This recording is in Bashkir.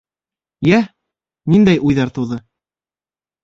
Йә, ниндәй уйҙар тыуҙы?